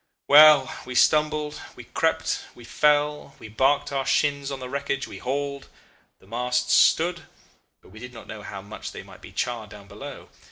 Well! we stumbled, we crept, we fell, we barked our shins on the wreckage, we hauled. The masts stood, but we did not know how much they might be charred down below.